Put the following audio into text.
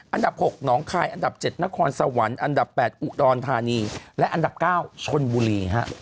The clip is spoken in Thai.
อันดับหกน้องคลายอันดับเจ็ดนครสวรรค์อันดับแปดอุดรธานีและอันดับเก้าชนบุรีฮะ